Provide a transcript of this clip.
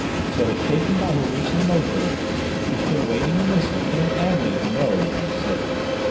So, shaken by her recent emotions, she stood waiting and listening, in an agony to know that he was safe.